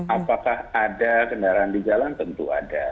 apakah ada kendaraan di jalan tentu ada